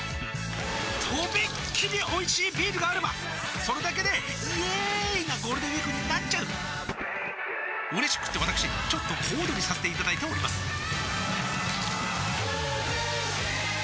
とびっきりおいしいビールがあればそれだけでイエーーーーーイなゴールデンウィークになっちゃううれしくってわたくしちょっと小躍りさせていただいておりますさあ